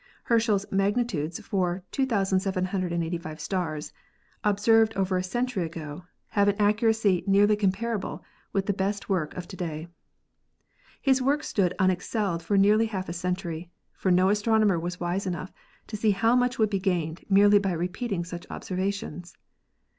Herschel's magni tudes for 2,785 stars, observed over a century ago, have an accuracy nearly comparable with the best work of to day. His work stood unexcelled for nearly half a century, for no astronomer was wise enough to see how much would be gained merely by repeating such observations.